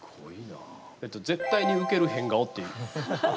「絶対にうける変顔」っていう。